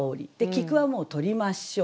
「聞く」はもう取りましょう。